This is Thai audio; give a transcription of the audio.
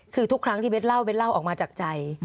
คือทุกครั้งที่เบ้นเล่าเบสเล่าออกมาจากใจ